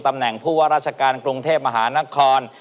ตำแหน่งผู้ว่าราชการกรุงเทพมหานคร